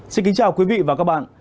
xin kính chào quý vị và các bạn